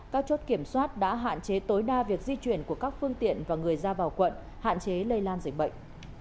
các chốt kiểm soát đã hạn chế tối đa việc di chuyển của các phương tiện và người ra vào quận hạn chế lây lan dịch bệnh